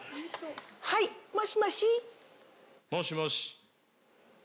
はいもしもし。